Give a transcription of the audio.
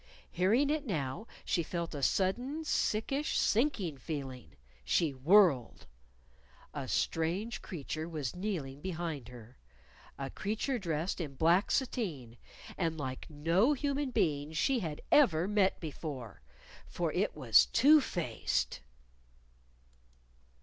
Hearing it now she felt a sudden, sickish, sinking feeling. She whirled. A strange creature was kneeling behind her a creature dressed in black sateen, and like no human being that she had ever met before. For it was _two faced!